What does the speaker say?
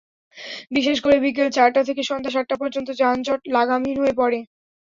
বিশেষ করে বিকেল চারটা থেকে সন্ধ্যা সাতটা পর্যন্ত যানজট লাগামহীন হয়ে পড়ে।